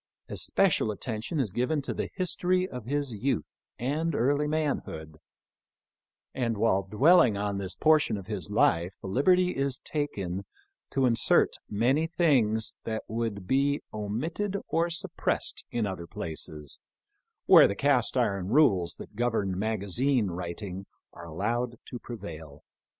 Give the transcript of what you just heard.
Especial attention is given to the history of his youth and early manhood ; and while dwelling on this portion of his life the liberty is taken to insert many things that would be omitted or suppressed in other places, where the cast iron rules that govern magazine writing are allowed to prevail.